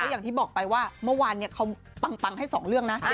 อย่างที่บอกไปว่าเมื่อวานเขาปังให้๒เรื่องนะ